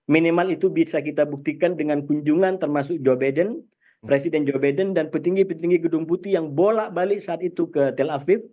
minimal itu bisa kita buktikan dengan kunjungan termasuk joe biden presiden joe biden dan petinggi petinggi gedung putih yang bolak balik saat itu ke tel aviv